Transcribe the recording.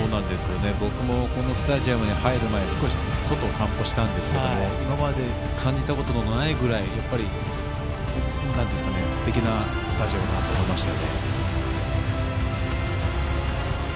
僕もこのスタジアムに入る前外を散歩したんですけど今まで感じたことのないくらいすてきなスタジアムだなと思いましたね。